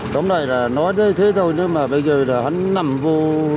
đóng này là nói thế thôi nhưng mà bây giờ là hắn nằm vô